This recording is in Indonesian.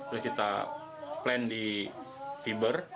terus kita plan di fiber